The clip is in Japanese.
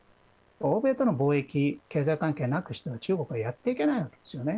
欧米との貿易経済関係なくしては中国はやっていけないわけですよね。